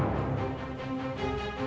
kagak mau keburu